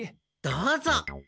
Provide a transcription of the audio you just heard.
どうぞ。